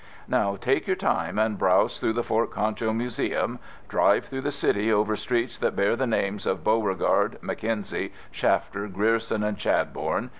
Now take your time and browse through the Fort Concho Museum. Drive through the City over streets that bear the names of Beauregard, Mackenzie, Shafter, Grierson and Chadbourne.